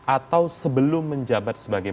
atau sebelum menjabat sebagai